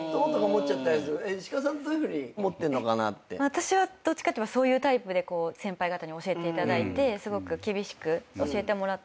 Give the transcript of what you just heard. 私はどっちかっていえばそういうタイプで先輩方に教えていただいてすごく厳しく教えてもらって。